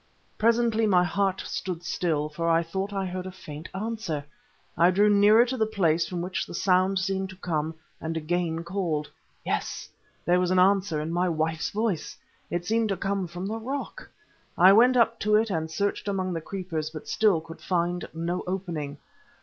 Presently my heart stood still, for I thought I heard a faint answer. I drew nearer to the place from which the sound seemed to come, and again called. Yes, there was an answer in my wife's voice. It seemed to come from the rock. I went up to it and searched among the creepers, but still could find no opening.